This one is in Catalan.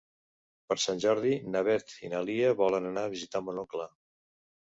Per Sant Jordi na Beth i na Lia volen anar a visitar mon oncle.